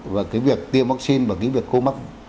và cái việc tiêm vaccine và cái việc không mắc